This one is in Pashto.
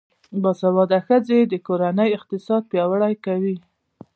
باسواده ښځې د کورنۍ اقتصاد پیاوړی کوي.